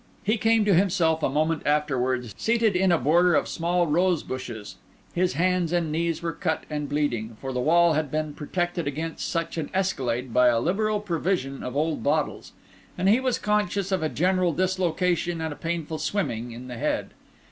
He came to himself a moment afterwards, seated in a border of small rosebushes. His hands and knees were cut and bleeding, for the wall had been protected against such an escalade by a liberal provision of old bottles; and he was conscious of a general dislocation and a painful swimming in the head.